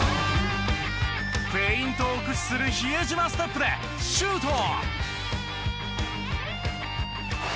フェイントを駆使する比江島ステップでシュート！